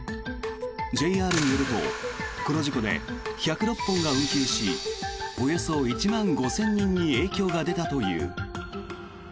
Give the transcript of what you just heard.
ＪＲによると、この事故で１０６本が運休しおよそ１万５０００人に影響が出たという。